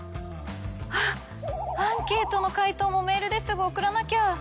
あっアンケートの回答もメールですぐ送らなきゃ！